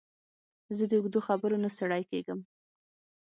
زه د اوږدو خبرو نه ستړی کېږم.